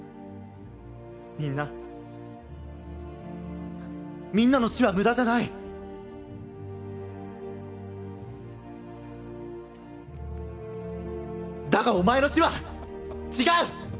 みんなみんなの死は無駄じゃないだがお前の死は違う！